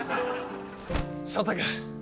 翔太君！